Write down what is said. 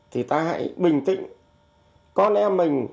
thì ta hãy bình tĩnh